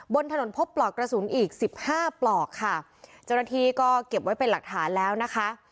บนถนนพบปลอกกระสุนอีก๑๕ปกค่ะจริงก็เก็บไว้เป็นหลักฐานแล้วนะคะ